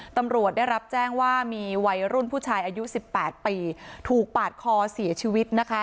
ตำรวจได้รับแจ้งว่ามีวัยรุ่นผู้ชายอายุ๑๘ปีถูกปาดคอเสียชีวิตนะคะ